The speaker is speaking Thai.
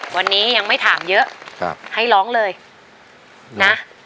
วันนี้ยังไม่ถามเยอะให้ร้องเลยนะ